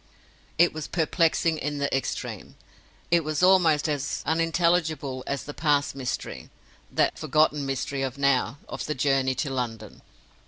It was perplexing in the extreme. It was almost as unintelligible as that past mystery—that forgotten mystery now—of the journey to London.